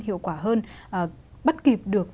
hiệu quả hơn bắt kịp được